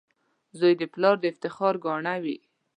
• زوی د پلار د افتخار ګاڼه وي.